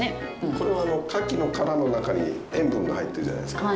これは牡蠣の殻の中に塩分が入ってるじゃないですか。